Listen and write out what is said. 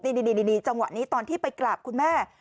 นี่จังหวะนี้ตอนที่ไปกราบคุณแม่